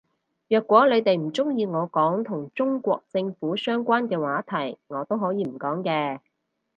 若果你哋唔鍾意我講同中國政府相關嘅話題我都可以唔講嘅